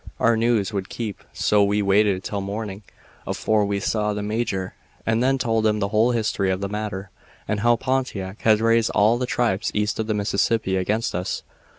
Our news would keep, so we waited till morning afore we saw the major, and then told him the whole history of the matter, and how Pontiac had raised all the tribes east of the Mississippi against us.